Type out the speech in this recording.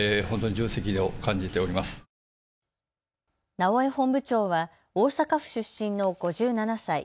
直江本部長は大阪府出身の５７歳。